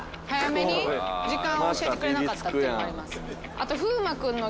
あと。